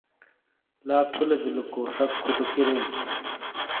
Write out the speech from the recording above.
لا تھولے بِیلے کو شَک کُھوٹو کِئے بیئوں؟